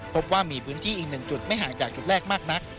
พบว่ามีพื้นที่อีก๑จุดไม่ห่างจากจุดแรกมากนัก